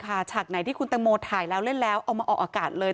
เอามาออกอากาศเลย